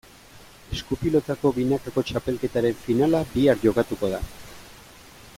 Esku-pilotako binakako txapelketaren finala bihar jokatuko da.